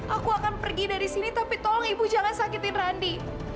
aku akan pergi dari sini tapi tolong ibu jangan sakitin randi